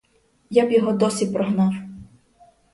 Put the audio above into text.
Я б його досі прогнав.